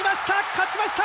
勝ちました